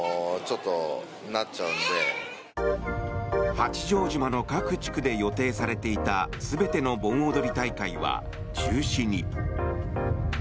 八丈島の各地区で予定されていた全ての盆踊り大会は中止に。